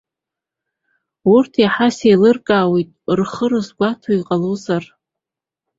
Урҭ еиҳа сеилыркаауеит, рхы рызгәаҭо иҟазар.